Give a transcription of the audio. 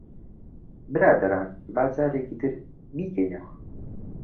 برادەران، با جارێکی تر بیکەینەوە.